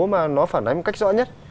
mà nó phản ánh một cách rõ nhất